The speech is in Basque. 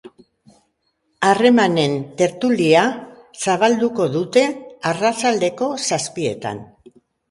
Harremanen tertulia zabalduko dute arratsaldeko zazpietan.